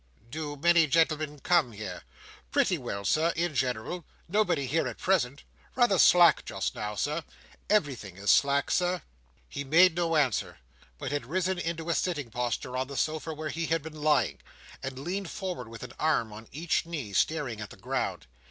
"Do many gentlemen come here? "Pretty well, Sir, in general. Nobody here at present. Rather slack just now, Sir. Everything is slack, Sir." He made no answer; but had risen into a sitting posture on the sofa where he had been lying, and leaned forward with an arm on each knee, staring at the ground.